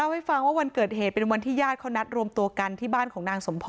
ให้ฟังว่าวันเกิดเหตุเป็นวันที่ญาติเขานัดรวมตัวกันที่บ้านของนางสมพร